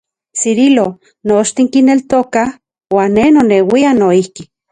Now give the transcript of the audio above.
Cirilo, nochtin kineltokaj, uan ne noneuian noijki.